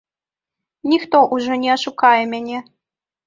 Ніхто ўжо не ашукае мяне.